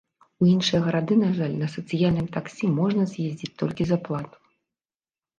У іншыя гарады, на жаль, на сацыяльным таксі можна з'ездзіць толькі за плату.